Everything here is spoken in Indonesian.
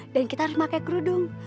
dan kita harus pakai kerudung